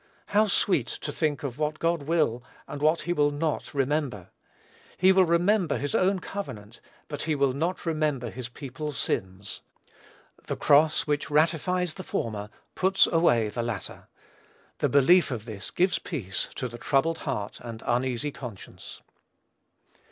How sweet to think of what God will, and what he will not, remember! He will remember his own covenant, but he will not remember his people's sins. The cross, which ratifies the former, puts away the latter. The belief of this gives peace to the troubled heart and uneasy conscience.